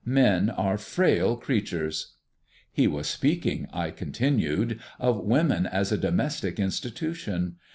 "Men are frail creatures." "He was speaking," I continued, "of women as a domestic institution.